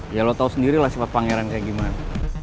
ya lu tau sendiri lah sifat pangeran kayak gimana